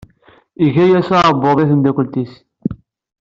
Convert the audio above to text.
Iga-yas aɛebbuḍ i temdakelt-is.